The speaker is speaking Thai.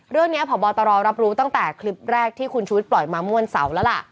เรื่องนี้ผ่อบอตรรับรู้ตั้งแต่คลิปแรกที่คุณชุวิตปล่อยมาม่วนเสาร์แล้วล่ะ